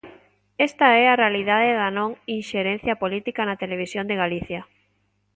Esta é a realidade da non inxerencia política na Televisión de Galicia.